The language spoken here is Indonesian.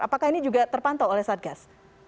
apakah ini juga terpantau oleh satgas